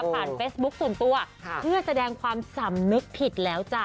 เฟซบุ๊คส่วนตัวเพื่อแสดงความสำนึกผิดแล้วจ้ะ